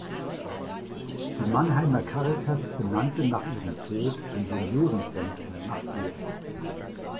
Die Mannheimer Caritas benannte nach ihrem Tod ein Seniorenzentrum nach ihr.